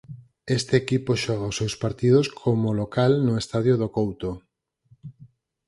Este equipo xoga os seus partidos como local no Estadio do Couto.